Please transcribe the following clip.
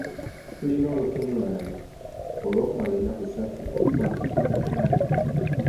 Tulina olukungaana olw'okumala ennaku essatu olukwata ku bukulembeze.